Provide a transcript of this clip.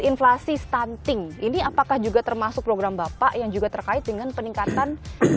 inflasi stunting ini apakah juga termasuk program bapak yang juga terkait dengan peningkatan